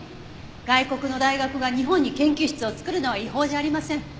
外国の大学が日本に研究室を作るのは違法じゃありません。